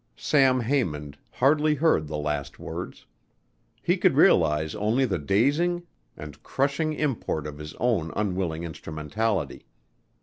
Sam Haymond hardly heard the last words. He could realize only the dazing and crushing import of his own unwilling instrumentality.